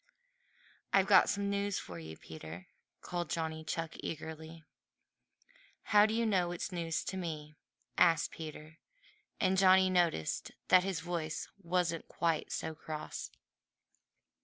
"I've got some news for you, Peter," called Johnny Chuck eagerly. "How do you know it's news to me?" asked Peter, and Johnny noticed that his voice wasn't quite so cross.